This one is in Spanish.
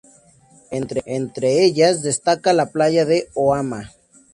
Entre ellas destaca la playa de Omaha.